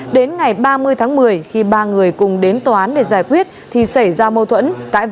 đến ngày ba mươi tháng một mươi khi ba người cùng đến tòa án để giải quyết thì xảy ra mâu thuẫn